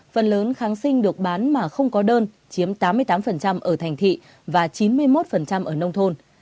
phần lớn kháng sinh được bán mà không có đơn chiếm tám mươi tám ở thành thị và chín mươi một ở nông thôn